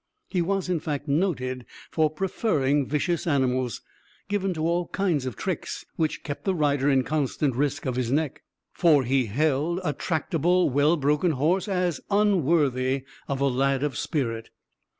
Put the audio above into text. He was, in fact, noted for preferring vicious animals, given to all kinds of tricks which kept the rider in constant risk of his neck, for he held a tractable well broken horse as unworthy of a lad of spirit.